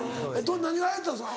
何が流行ったんですか？